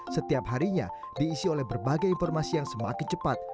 setiap harinya diisi oleh berbagai informasi yang semakin cepat